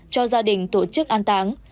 cho gia đình tổ chức an tán